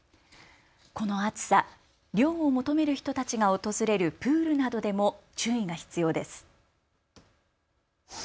この暑さ、涼を求める人たちが訪れるプールなどでも注意が必要です。